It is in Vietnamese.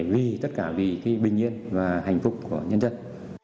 vì tất cả vì bình yên và hạnh phúc của nhân dân